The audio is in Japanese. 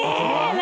何？